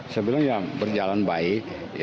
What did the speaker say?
sebelumnya berjalan baik